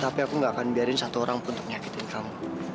tapi aku gak akan biarin satu orang pun untuk nyakitin kamu